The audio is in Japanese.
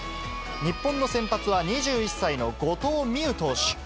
日本の先発は２１歳の後藤希友投手。